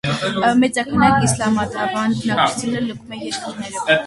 Մեծաքանակ իսլամադավան բնակչություն լքում է երկիրը։